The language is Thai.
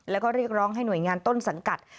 แล้วก็เรียกร้องให้หน่วยงานต้นสังกัด